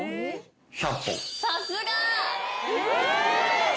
さすが！